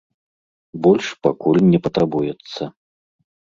Больш пакуль не патрабуецца.